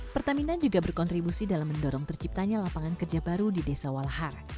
pertamina juga berkontribusi dalam mendorong terciptanya lapangan kerja baru di desa walahar